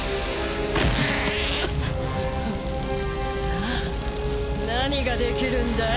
さあ何ができるんだい？